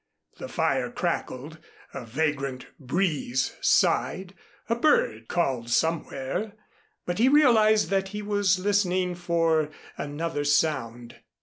The fire crackled, a vagrant breeze sighed, a bird called somewhere, but he realized that he was listening for another sound.